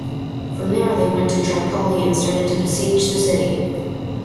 From there they went to Tripoli and started to besiege the city.